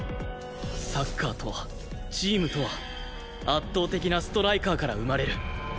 サッカーとはチームとは圧倒的なストライカーから生まれる。